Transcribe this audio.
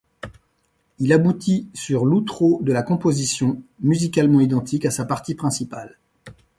Il aboutit sur l'outro de la composition, musicalement identique à sa partie principale.